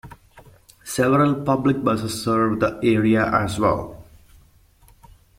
Several public buses serve the area as well.